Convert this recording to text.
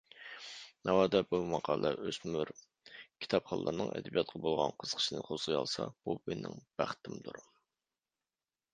ناۋادا بۇ ماقالە ئۆسمۈر كىتابخانلارنىڭ ئەدەبىياتقا بولغان قىزىقىشىنى قوزغىيالىسا، بۇ مېنىڭ بەختىمدۇر.